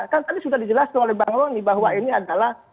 kan tadi sudah dijelaskan oleh bang roni bahwa ini adalah